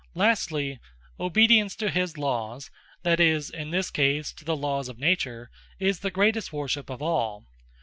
Lastly, Obedience to his Lawes (that is, in this case to the Lawes of Nature,) is the greatest worship of all.